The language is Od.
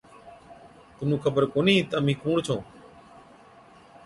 تنُون خبر ڪونهِي تہ اَمهِين ڪُوڻ ڇَئُون؟